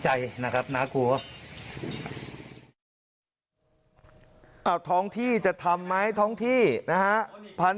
ใจนะครับนากัวอ่าท้องที่จะทำไหมท้องที่นะฮะพันธ์